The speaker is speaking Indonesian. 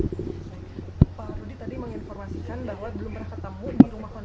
pak rudi tadi menginformasikan bahwa belum pernah ketemu di rumah kontra